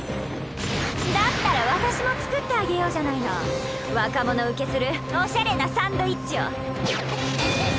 だったら私も作ってあげようじゃないの若者ウケするおしゃれなサンドイッチを！